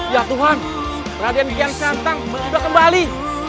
ya tuhan raden kancanta sudah kembali